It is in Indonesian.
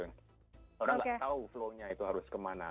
orang tidak tahu flow nya itu harus kemana